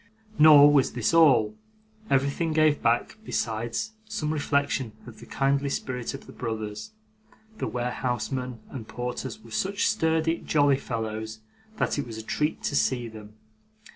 Nor was this all. Everything gave back, besides, some reflection of the kindly spirit of the brothers. The warehousemen and porters were such sturdy, jolly fellows, that it was a treat to see them.